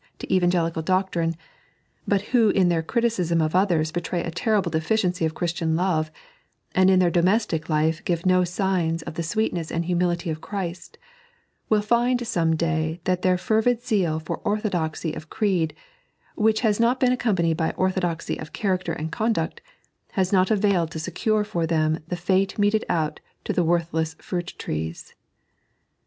to EvMigslical doctrine, but wbo in their o^ticiBm oi otiiers betny a terrible deficiency of Obristian love, and in their domestie life give no signs of the sweetnees and hnmlHty of Ohriat, will find some day that their fervid zeal for orthodoxy of creed, which has not been accompanied by cwthodoxy of charactw and conduct, has not availed to aecore them from the fate meted out to worthless fmit trees.